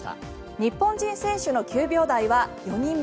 日本人選手の９秒台は４人目。